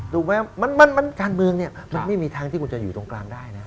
ถูกไหมมันการเมืองเนี่ยมันไม่มีทางที่คุณจะอยู่ตรงกลางได้นะ